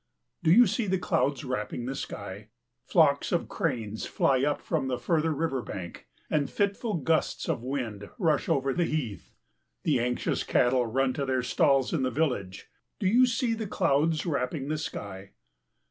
Do you see the clouds wrapping the sky? Flocks of cranes fly up from the further river bank and fitful gusts of wind rush over the heath. The anxious cattle run to their stalls in the village. Do you see the clouds wrapping the sky?